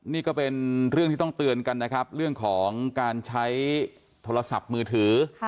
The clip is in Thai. นี่ก็เป็นเรื่องที่ต้องเตือนกันนะครับเรื่องของการใช้โทรศัพท์มือถือ